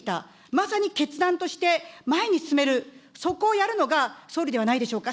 まさに決断として前に進める、そこをやるのが総理ではないでしょうか。